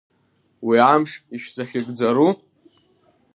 Уи амш ишәзахьыгӡару?